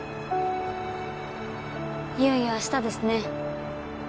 いよいよ明日ですね。